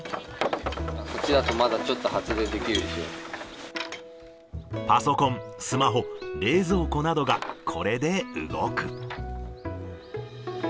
こっちだとまだちょっと発電パソコン、スマホ、冷蔵庫などがこれで動く。